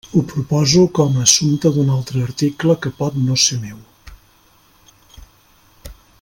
Ho proposo com a assumpte d'un altre article que pot no ser meu.